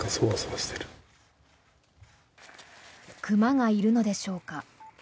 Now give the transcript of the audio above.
熊がいるのでしょうか。